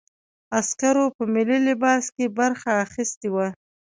عسکرو په ملکي لباس کې برخه اخیستې وه.